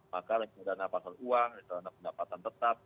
maka reksadana pasar uang reksadana pendapatan tetap